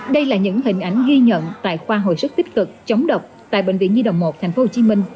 đây là những hình ảnh ghi nhận tại khoa hồi sức tích cực chống độc tại bệnh viện nhi đồng một thành phố hồ chí minh